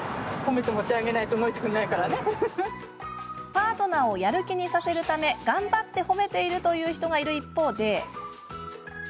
パートナーをやる気にさせるため頑張って褒めているという人がいる一方で。